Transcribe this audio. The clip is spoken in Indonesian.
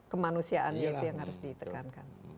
kemanusiaan yang harus ditekankan